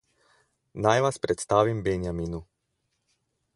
Naj vas predstavim Benjaminu.